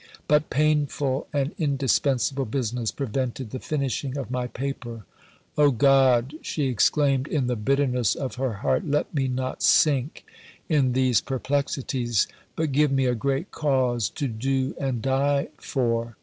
But painful and indispensable business prevented the finishing of my paper." "O God," she exclaimed in the bitterness of her heart, "let me not sink in these perplexities: but give me a great cause to do and die for."